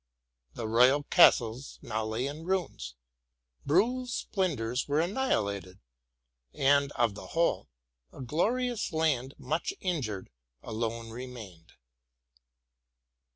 The royal castles now lay in ruins, Briihl's splendors were annihilated, and, of the whole, a glorious land, much injured, alone remained?